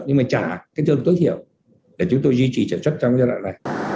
nhưng mà trả cái tương tối thiểu để chúng tôi duy trì sản xuất trong giai đoạn này